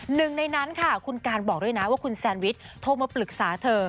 หนึ่งในนั้นค่ะคุณการบอกด้วยนะว่าคุณแซนวิชโทรมาปรึกษาเธอ